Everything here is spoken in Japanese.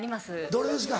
どれですか？